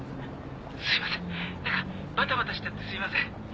すいません何かばたばたしちゃってすいません。